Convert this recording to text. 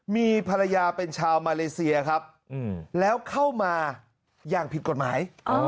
มีภรรยาเป็นชาวมาเลเซียครับแล้วเข้ามาอย่างผิดกฎหมาย